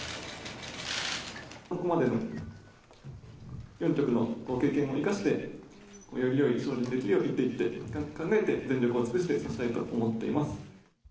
ここまでの４局の経験を生かして、よりよい将棋にできるようにと、一手一手考えて、全力を尽くして指したいと思っています。